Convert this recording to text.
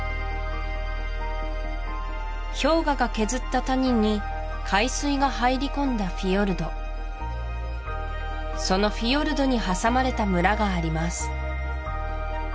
氷河が削った谷に海水が入り込んだフィヨルドそのフィヨルドに挟まれた村があります